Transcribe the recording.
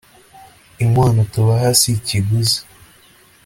inkwano tubaha si ikiguzi